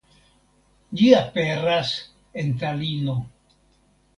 Ĝi aperas en Talino.